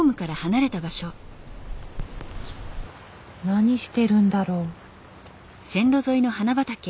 何してるんだろう？